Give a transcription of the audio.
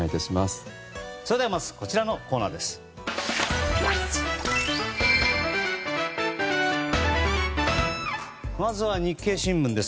それではまずこちらのコーナーです。